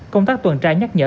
công tác tuần tra nhắc nhở